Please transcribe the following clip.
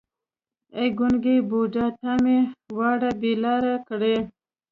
ای ګونګی بوډا تا مې وراره بې لارې کړی.